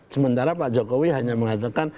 sementara pak jokowi hanya mengatakan